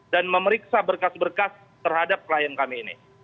dan memeriksa berkas berkas terhadap klien kami ini